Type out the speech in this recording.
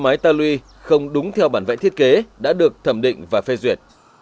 máy ta lùi không đúng theo bản vẽ thiết kế đã được thẩm định và phê duyệt